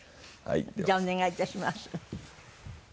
じゃあお願い致します。